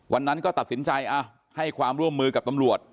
วันนั้นก็ตัดสินใจให้ความร่วมมือกับตำรวจ